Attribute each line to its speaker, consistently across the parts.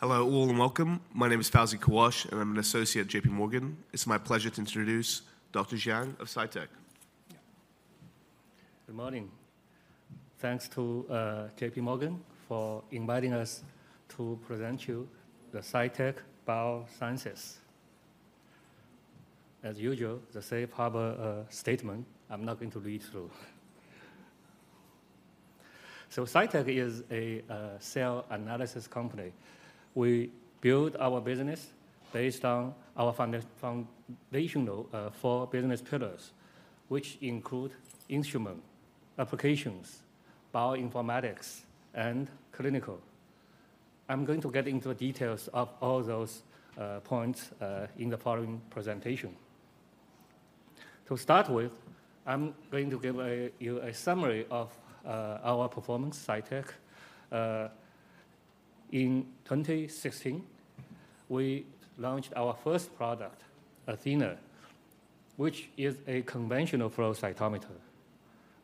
Speaker 1: Hello, all, and welcome. My name is Tazi Kawash, and I'm an associate at J.P. Morgan. It's my pleasure to introduce Dr. Jiang of Cytek.
Speaker 2: Good morning. Thanks to J.P. Morgan for inviting us to present you the Cytek Biosciences. As usual, the safe harbor statement, I'm not going to read through. So Cytek is a cell analysis company. We build our business based on our foundational four business pillars, which include instrument, applications, bioinformatics, and clinical. I'm going to get into the details of all those points in the following presentation. To start with, I'm going to give you a summary of our performance, Cytek. In 2016, we launched our first product, Athena, which is a conventional flow cytometer.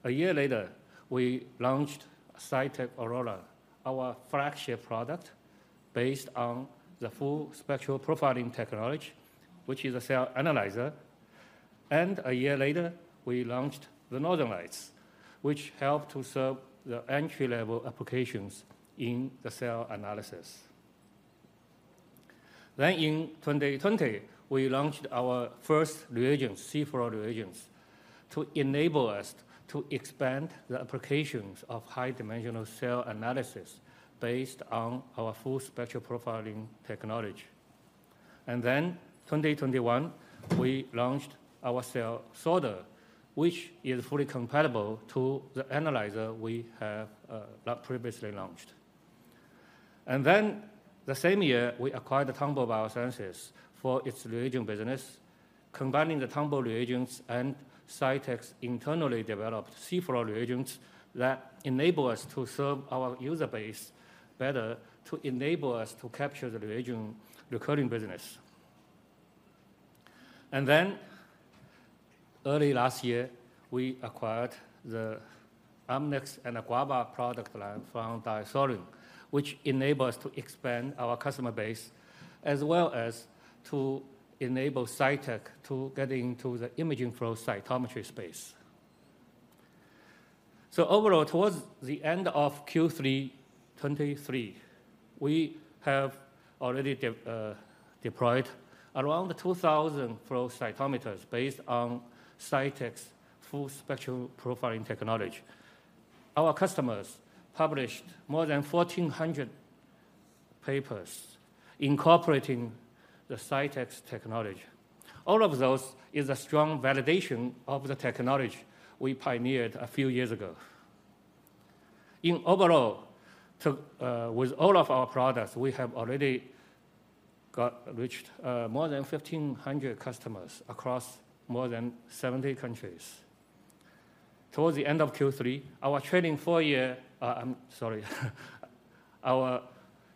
Speaker 2: A year later, we launched Cytek Aurora, our flagship product, based on the Full Spectrum Profiling technology, which is a cell analyzer, and a year later, we launched the Northern Lights, which helped to serve the entry-level applications in the cell analysis. Then in 2020, we launched our first reagent, cFluor reagents, to enable us to expand the applications of high-dimensional cell analysis based on our Full Spectrum Profiling technology. And then, 2021, we launched our cell sorter, which is fully compatible to the analyzer we have, that previously launched. And then, the same year, we acquired the Tonbo Biosciences for its reagent business, combining the Tonbo reagents and Cytek's internally developed cFluor reagents that enable us to serve our user base better, to enable us to capture the reagent recurring business. And then, early last year, we acquired the Amnis and Guava product line from DiaSorin, which enable us to expand our customer base, as well as to enable Cytek to get into the imaging flow cytometry space. So overall, towards the end of Q3 2023, we have already deployed around 2,000 flow cytometers based on Cytek's Full Spectrum Profiling technology. Our customers published more than 1,400 papers incorporating the Cytek's technology. All of those is a strong validation of the technology we pioneered a few years ago. In overall, with all of our products, we have already reached more than 1,500 customers across more than 70 countries. Towards the end of Q3, our trailing four year, I'm sorry, our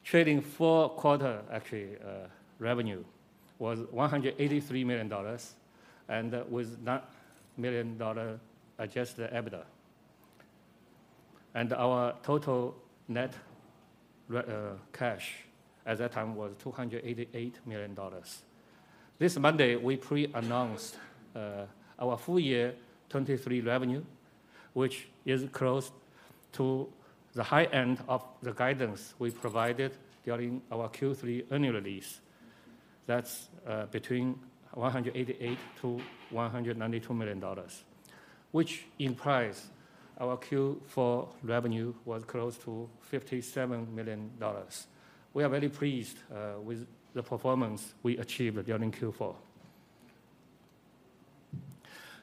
Speaker 2: trailing Q4, actually, revenue was $183 million, and with $9 million dollar adjusted EBITDA. And our total net cash at that time was $288 million. This Monday, we pre-announced our full year 2023 revenue, which is close to the high end of the guidance we provided during our Q3 earnings release. That's between $188 million-$192 million, which implies our Q4 revenue was close to $57 million. We are very pleased with the performance we achieved during Q4.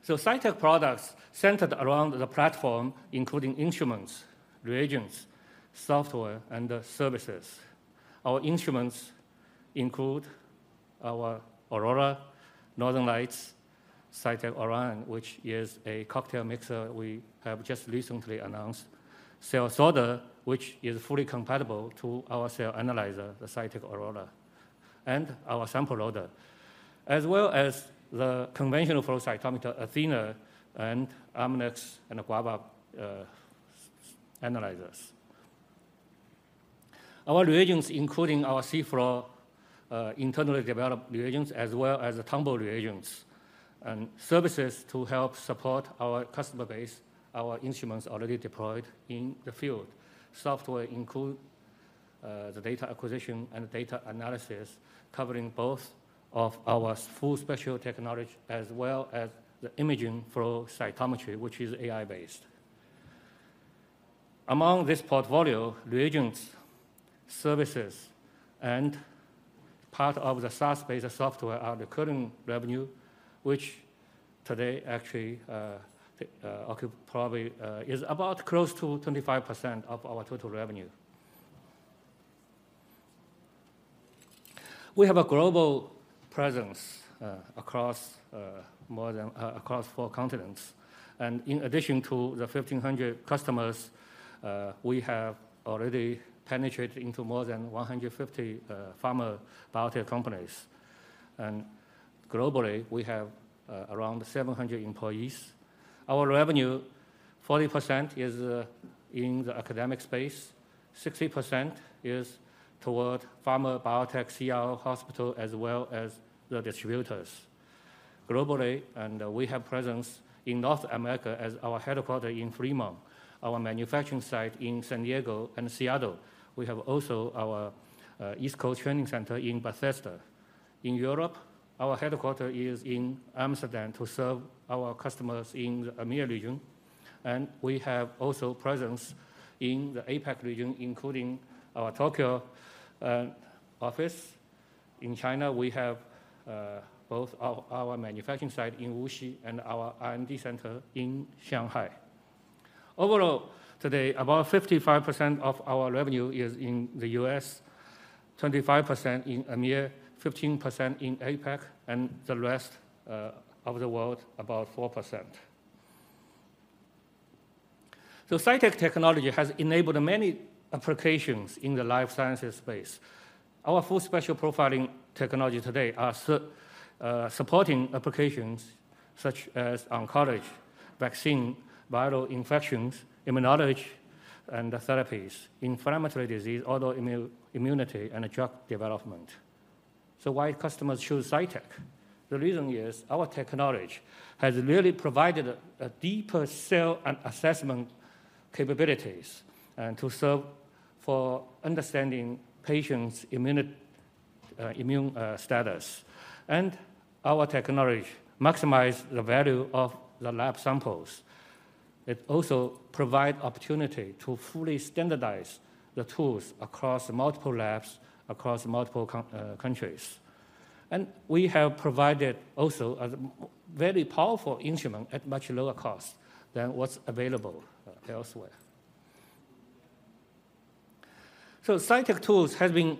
Speaker 2: So Cytek products centered around the platform, including instruments, reagents, software, and services. Our instruments include our Aurora, Northern Lights, Cytek Orion, which is a cocktail mixer we have just recently announced, Cell Sorter, which is fully compatible to our cell analyzer, the Cytek Aurora, and our sample loader, as well as the conventional flow cytometer, Amnis and Guava analyzers. Our reagents, including our cFluor, internally developed reagents, as well as the Tonbo reagents, and services to help support our customer base, our instruments already deployed in the field. Software include the data acquisition and data analysis, covering both of our full spectrum technology, as well as the imaging flow cytometry, which is AI-based. Among this portfolio, reagents, services, and part of the SaaS-based software, are the current revenue, which today actually probably is about close to 25% of our total revenue. We have a global presence across more than across four continents, and in addition to the 1,500 customers, we have already penetrated into more than 150 pharma biotech companies. And globally, we have around 700 employees. Our revenue-... 40% is in the academic space, 60% is toward pharma, biotech, CRO, hospital, as well as the distributors. Globally, we have presence in North America as our headquarters in Fremont, our manufacturing site in San Diego and Seattle. We have also our East Coast training center in Bethesda. In Europe, our headquarters is in Amsterdam to serve our customers in the EMEA region, and we have also presence in the APAC region, including our Tokyo office. In China, we have both our manufacturing site in Wuxi and our R&D center in Shanghai. Overall, today, about 55% of our revenue is in the U.S., 25% in EMEA, 15% in APAC, and the rest of the world, about 4%. So Cytek technology has enabled many applications in the life sciences space. Our Full Spectrum Profiling technology today is supporting applications such as oncology, vaccine, viral infections, immunology, and therapies, inflammatory disease, autoimmunity, and drug development. So why customers choose Cytek? The reason is our technology has really provided a deeper cell and assessment capabilities to serve for understanding patient's immune status. And our technology maximize the value of the lab samples. It also provide opportunity to fully standardize the tools across multiple labs, across multiple countries. And we have provided also a very powerful instrument at much lower cost than what's available elsewhere. So Cytek tools have been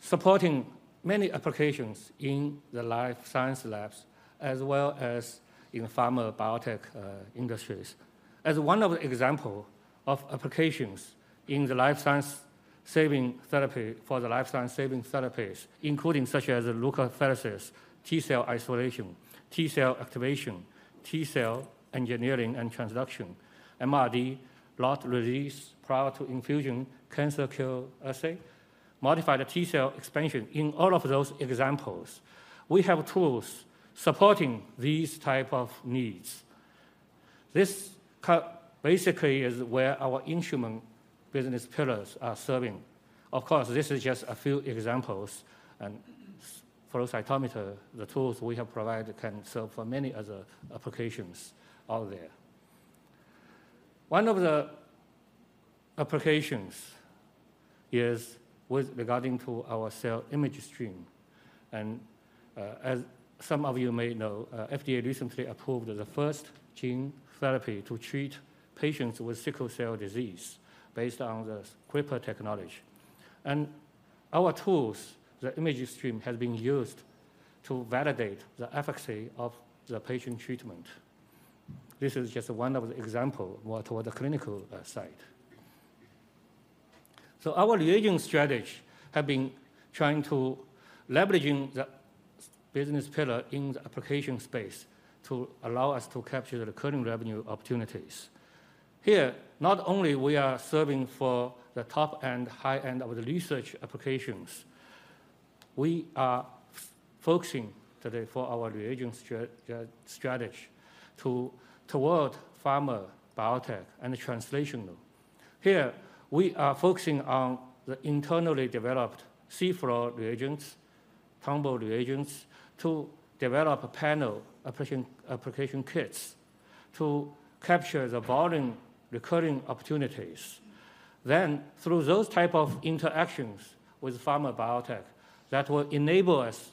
Speaker 2: supporting many applications in the life science labs, as well as in pharma, biotech, industries. As one of the examples of applications in the life-saving therapies—for the life-saving therapies, including such as leukapheresis, T cell isolation, T cell activation, T cell engineering and transduction, MRD, lot release prior to infusion, cancer kill assay, modified T cell expansion. In all of those examples, we have tools supporting these types of needs. This basically is where our instrument business pillars are serving. Of course, this is just a few examples, and for a cytometer, the tools we have provided can serve for many other applications out there. One of the applications is with regard to our Image Stream, and, as some of you may know, FDA recently approved the first gene therapy to treat patients with sickle cell disease based on the CRISPR technology. Our tools, the Image Stream, has been used to validate the efficacy of the patient treatment. This is just one of the example more toward the clinical side. So our reagent strategy have been trying to leveraging the business pillar in the application space to allow us to capture the recurring revenue opportunities. Here, not only we are serving for the top and high end of the research applications, we are focusing today for our reagent strategy toward pharma, biotech, and translational. Here, we are focusing on the internally developed cFluor reagents, Tonbo reagents, to develop a panel application, application kits to capture the volume recurring opportunities. Then, through those type of interactions with pharma biotech, that will enable us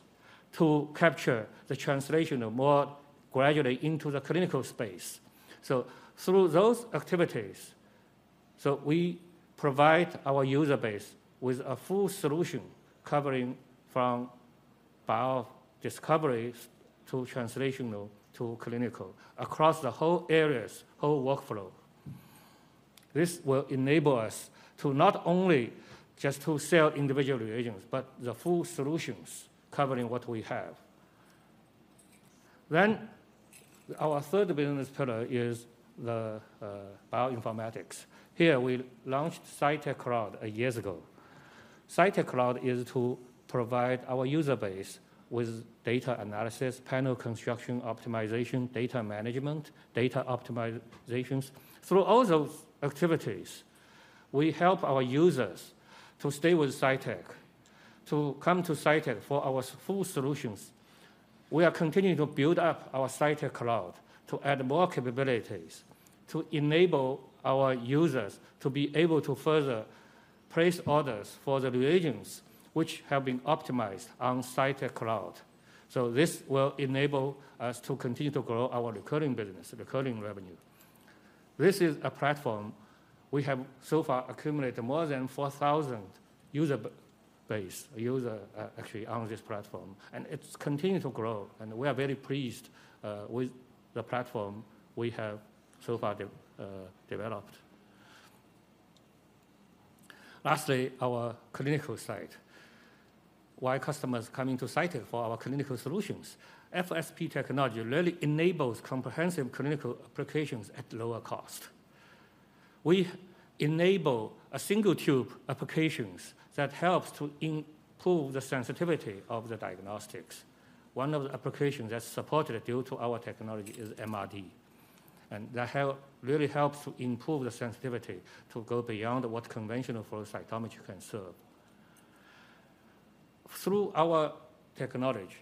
Speaker 2: to capture the translation more gradually into the clinical space. So through those activities, so we provide our user base with a full solution covering from biodiscovery to translational to clinical across the whole areas, whole workflow. This will enable us to not only just to sell individual reagents, but the full solutions covering what we have. Then, our third business pillar is the bioinformatics. Here, we launched Cytek Cloud years ago. Cytek Cloud is to provide our user base with data analysis, panel construction, optimization, data management, data optimizations. Through all those activities, we help our users to stay with Cytek, to come to Cytek for our full solutions. We are continuing to build up our Cytek Cloud to add more capabilities, to enable our users to be able to further place orders for the reagents, which have been optimized on Cytek Cloud. So this will enable us to continue to grow our recurring business, recurring revenue. This is a platform we have so far accumulated more than 4,000 user base, user, actually on this platform, and it's continuing to grow, and we are very pleased with the platform we have so far developed. Lastly, our clinical side. Why customers coming to Cytek for our clinical solutions? FSP technology really enables comprehensive clinical applications at lower cost. We enable a single-tube applications that helps to improve the sensitivity of the diagnostics. One of the applications that's supported due to our technology is MRD, and that really helps to improve the sensitivity to go beyond what conventional flow cytometry can serve. Through our technology,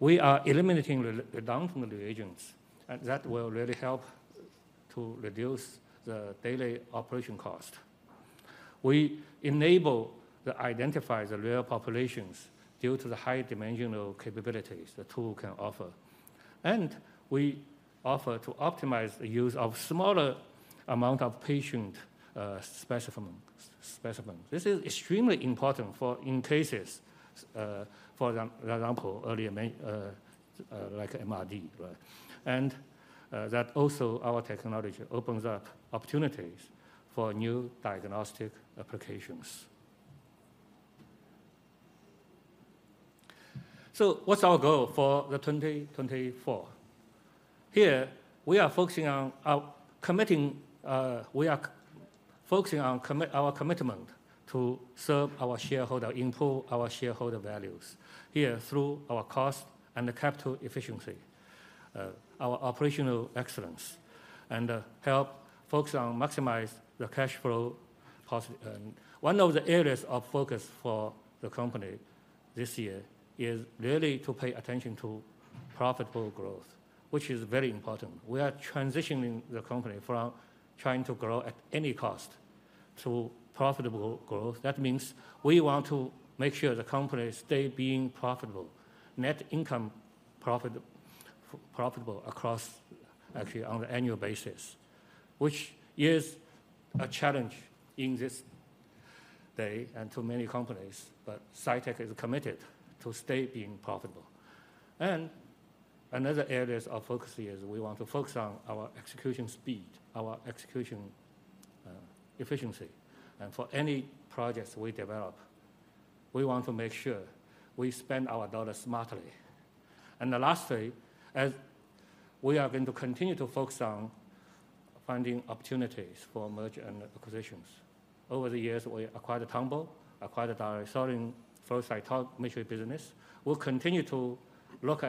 Speaker 2: we are eliminating redundant reagents, and that will really help to reduce the daily operation cost. We enable to identify the rare populations due to the high dimensional capabilities the tool can offer. We offer to optimize the use of smaller amount of patient specimen. This is extremely important in cases, for example, like MRD, right? And that also our technology opens up opportunities for new diagnostic applications. So what's our goal for 2024? Here, we are focusing on our commitment to serve our shareholder, improve our shareholder values. Here, through our cost and the capital efficiency, our operational excellence, and help focus on maximize the cash flow position. One of the areas of focus for the company this year is really to pay attention to profitable growth, which is very important. We are transitioning the company from trying to grow at any cost to profitable growth. That means we want to make sure the company stay being profitable, net income profitable across, actually, on an annual basis, which is a challenge in this day and to many companies, but Cytek is committed to stay being profitable. Another area of focus is we want to focus on our execution speed, our execution efficiency. For any projects we develop, we want to make sure we spend our dollars smartly. Lastly, as we are going to continue to focus on finding opportunities for merger and acquisitions. Over the years, we acquired Tonbo, acquired our sorting flow cytometry business. We'll continue to look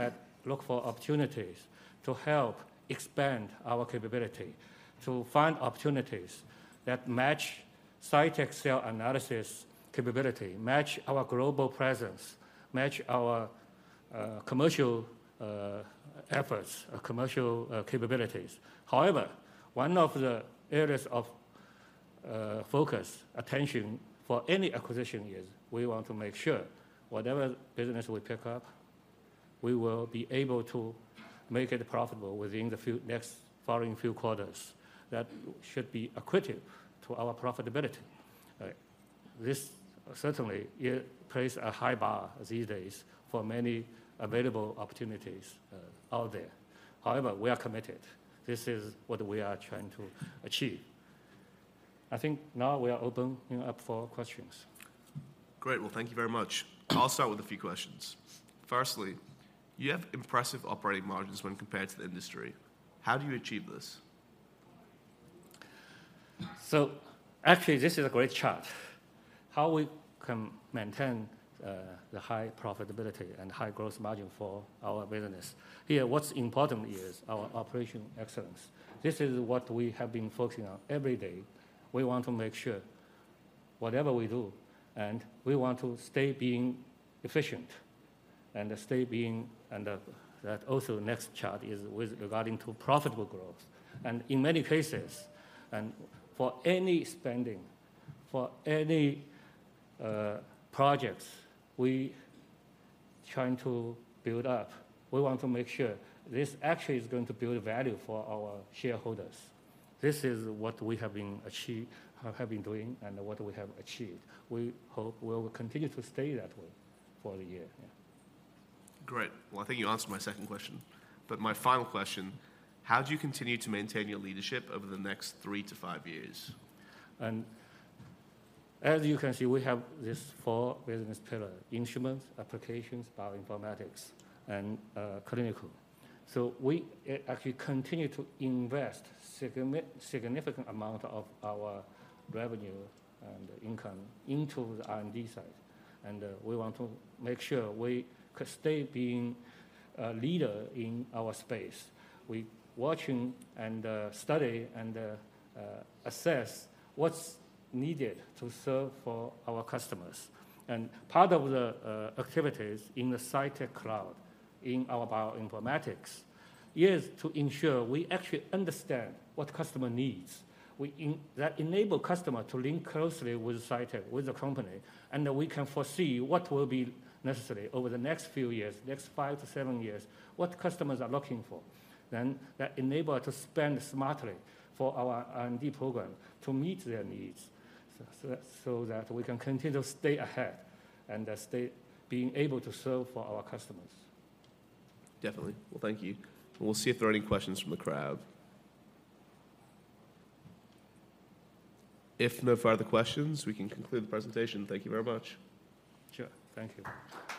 Speaker 2: for opportunities to help expand our capability, to find opportunities that match Cytek's cell analysis capability, match our global presence, match our commercial efforts, our commercial capabilities. However, one of the areas of focus, attention for any acquisition is we want to make sure whatever business we pick up, we will be able to make it profitable within the few next following few quarters. That should be accretive to our profitability. This certainly place a high bar these days for many available opportunities, out there. However, we are committed. This is what we are trying to achieve. I think now we are open, you know, up for questions.
Speaker 3: Great. Well, thank you very much. I'll start with a few questions. Firstly, you have impressive operating margins when compared to the industry. How do you achieve this?
Speaker 2: So actually, this is a great chart, how we can maintain the high profitability and high gross margin for our business. Here, what's important is our operational excellence. This is what we have been focusing on every day. We want to make sure whatever we do, and we want to stay being efficient. That also, the next chart is with regard to profitable growth. In many cases, and for any spending, for any projects we trying to build up, we want to make sure this actually is going to build value for our shareholders. This is what we have been doing and what we have achieved. We hope we will continue to stay that way for the year, yeah.
Speaker 3: Great. Well, I think you answered my second question, but my final question: How do you continue to maintain your leadership over the next three to five years?
Speaker 2: And as you can see, we have these four business pillars: instruments, applications, bioinformatics, and clinical. So we actually continue to invest significant amount of our revenue and income into the R&D side, and we want to make sure we could stay being a leader in our space. We're watching and studying and assessing what's needed to serve for our customers. And part of the activities in the Cytek Cloud, in our bioinformatics, is to ensure we actually understand what customer needs. And that enables customers to link closely with Cytek, with the company, and that we can foresee what will be necessary over the next few years, next five to seven years, what customers are looking for. That enables to spend smartly for our R&D program to meet their needs, so that we can continue to stay ahead and stay being able to serve for our customers.
Speaker 3: Definitely. Well, thank you. We'll see if there are any questions from the crowd. If no further questions, we can conclude the presentation. Thank you very much.
Speaker 2: Sure. Thank you.